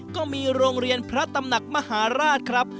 ก็มีโรงเรียนพระตำหนักมหาราชครับ